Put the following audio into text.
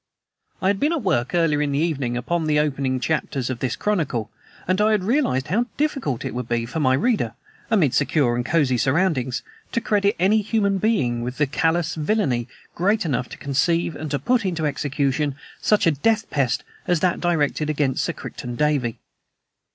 I had been at work, earlier in the evening, upon the opening chapters of this chronicle, and I had realized how difficult it would be for my reader, amid secure and cozy surroundings, to credit any human being with a callous villainy great enough to conceive and to put into execution such a death pest as that directed against Sir Crichton Davey.